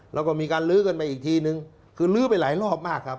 แล้วก็มีการลื้อกันไปอีกทีนึงคือลื้อไปหลายรอบมากครับ